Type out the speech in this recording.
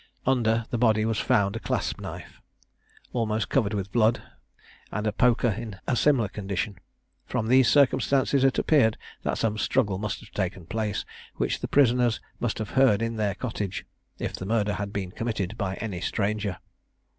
Under, the body was found a clasp knife, almost covered with blood, and a poker in a similar condition. From these circumstances it appeared that some struggle must have taken place, which the prisoners must have heard in their cottage, if the murder had been committed by any stranger.